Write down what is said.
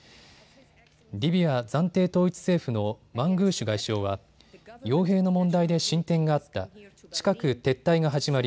リビア暫定統一政府のマングーシュ外相はよう兵の問題で進展があった近く撤退が始まり